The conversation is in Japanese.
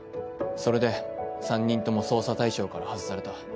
それで３人とも捜査対象から外された。